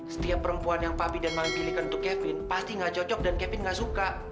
setiap perempuan yang papi dan mami pilihkan untuk kevin pasti nggak cocok dan kevin nggak suka